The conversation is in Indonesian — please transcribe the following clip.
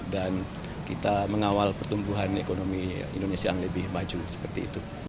dan kita mengawal pertumbuhan ekonomi indonesia yang lebih maju seperti itu